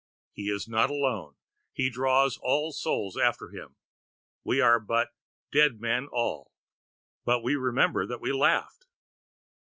He is not alone he draws all souls after him; we are but "dead men all." But we remember that we laughed!